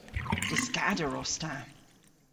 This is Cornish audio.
Dyskader os ta.